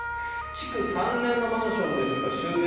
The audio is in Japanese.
築３年のマンションですが修繕